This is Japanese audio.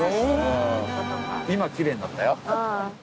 今きれいになったよ。